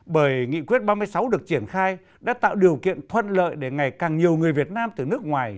bởi nghị quyết ba mươi sáu được triển khai đã tạo điều kiện thuận lợi để ngày càng nhiều người việt nam từ nước ngoài